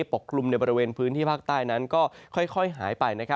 กลุ่มในบริเวณพื้นที่ภาคใต้นั้นก็ค่อยหายไป